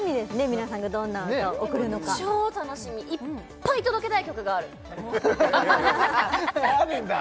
皆さんがどんな歌を贈るのか超楽しみいっぱい届けたい曲があるあるんだ？